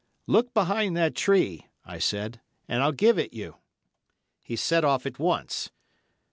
"Look behind that tree," I said, "and I'll give it you." He set off at once.